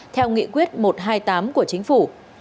theo nghị quyết một trăm hai mươi tám của chính phủ